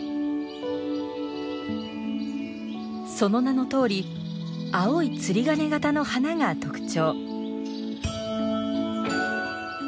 その名のとおり青い釣り鐘形の花が特徴。